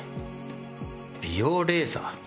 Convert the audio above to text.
美容レーザー！